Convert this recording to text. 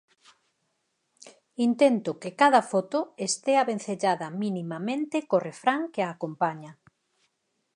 Intento que cada foto estea vencellada minimamente co refrán que a acompaña.